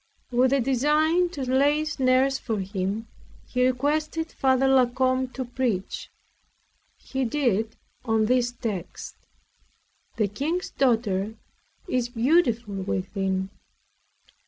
With a design to lay snares for him, he requested Father La Combe to preach. He did on this text "The King's daughter is beautiful within."